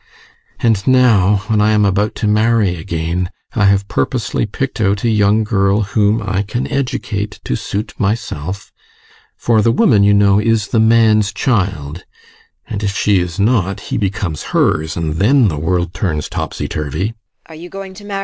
And now, when I am about to marry again, I have purposely picked out a young girl whom I can educate to suit myself. For the woman, you know, is the man's child, and if she is not, he becomes hers, and then the world turns topsy turvy.